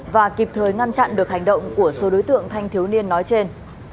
và kịp thời ngăn chặn được hành động của số đối tượng thanh thiếu niên nói trên